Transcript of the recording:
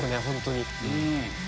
本当に。